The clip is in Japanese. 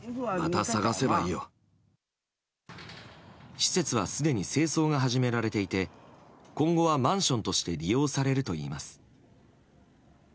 施設はすでに清掃が始められていて今後はマンションとして利用されるといいます。